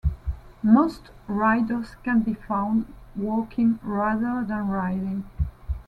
Most riders can be found walking rather than riding.